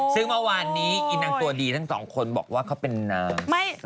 ซึ่งเมื่อวานนี้อีหนังตัวดีทั้ง๒คนบอกว่าเขาเป็นนางสารวุฒิวัชรพล